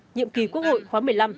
nhiệm kỳ quốc hội khóa một mươi năm